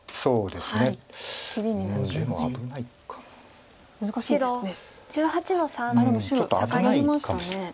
でも白サガりましたね。